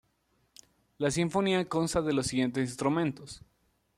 La sinfonía consta de los siguientes instrumentos.